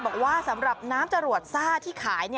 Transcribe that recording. บอกว่าสำหรับน้ำจรวดซ่าที่ขาย